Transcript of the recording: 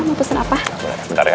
boleh sebentar ya